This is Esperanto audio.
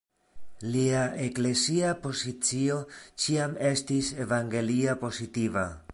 Lia eklezia pozicio ĉiam estis evangelia-pozitiva.